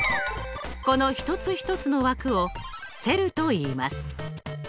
この一つ一つの枠をセルといいます。